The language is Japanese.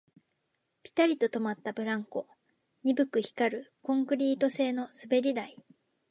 ピタリと止まったブランコ、鈍く光るコンクリート製の滑り台